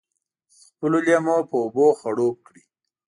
د خپلو لېمو په اوبو خړوب کړي.